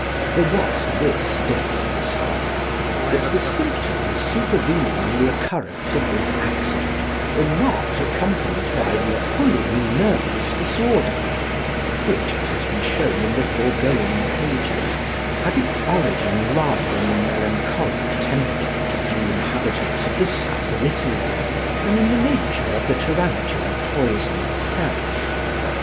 There was this difference, however that the symptoms supervening on the occurrence of this accident were not accompanied by the Apulian nervous disorder, which, as has been shown in the foregoing pages, had its origin rather in the melancholic temperament of the inhabitants of the south of Italy than in the nature of the tarantula poison itself.